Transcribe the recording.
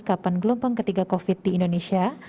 kapan gelombang ketiga covid di indonesia